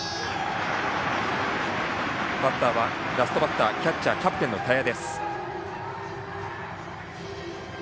ラストバッターキャッチャー、キャプテンの田屋。